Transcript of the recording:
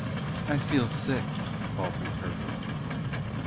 I feel sick," faltered Herbert.